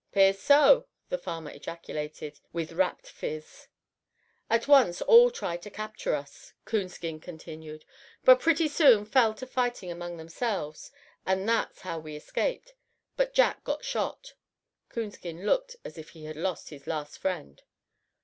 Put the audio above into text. "'Pears so," the farmer ejaculated, with wrapt phiz. "At once all tried to capture us," Coonskin continued, "but pretty soon fell to fighting among themselves; and that'e how we escaped. But Jack got shot." Coonskin looked as if he had lost his last friend.